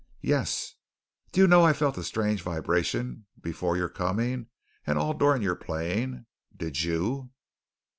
"Yes." "Do you know I felt a strange vibration before your coming and all during your playing. Did you?"